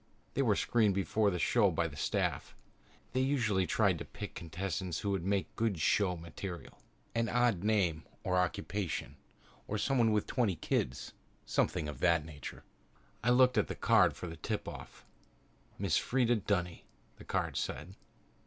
They were screened before the show by the staff. They usually tried to pick contestants who would make good show material an odd name or occupation or somebody with twenty kids. Something of that nature. I looked at the card for the tip off. "Mrs. Freda Dunny," the card said.